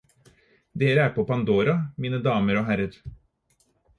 Dere er på Pandora, mine damer og herrer